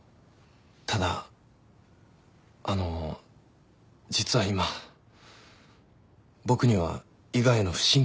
ただあの実は今僕には伊賀への不信感があって。